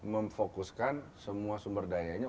memfokuskan semua sumber dayanya